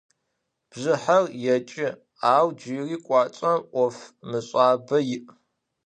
Bjjıher yêç'ı, au cıri khuacem of mış'abe yi'.